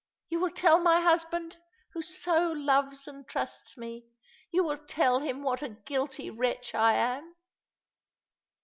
You will tell my husband, who so loves and trusts me. You will tell him what a guilty wretch I am."